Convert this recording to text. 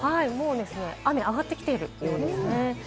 雨、上がってきているようです。